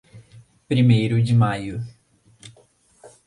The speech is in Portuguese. Primeiro de Maio